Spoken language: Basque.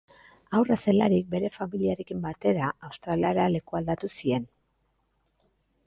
Haurra zelarik bere familiarekin batera Australiara lekualdatu zien.